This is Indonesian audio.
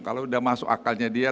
kalau sudah masuk akalnya dia